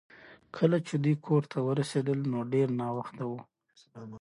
کله چې دوی کور ته ورسیدل نو ډیر ناوخته و